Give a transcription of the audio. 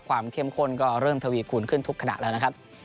เข้มข้นก็เริ่มทวีคูณขึ้นทุกขณะแล้วนะครับ